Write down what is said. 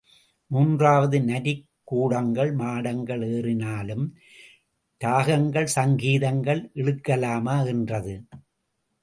மூன்றாவது நரி கூடங்கள் மாடங்கள் ஏறினாலும் இராகங்கள் சங்கீதங்கள் இழுக்கலாமா என்றது.